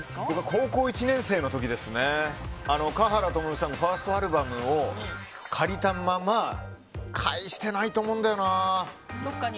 高校１年生の時華原朋美さんのファーストアルバムを借りたまま返してないと思うんだよな。